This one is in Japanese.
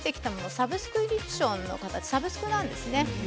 サブスクリプションサブスクなんですね